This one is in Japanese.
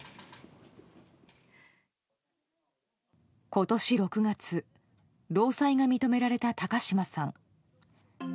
今年６月、労災が認められた高島さん。